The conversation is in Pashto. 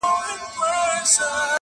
چي یوازي یې ایستله کفنونه؛